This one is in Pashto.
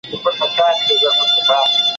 يا د چاودي پښې ژاړه، يا دبدي چگې ژاړه.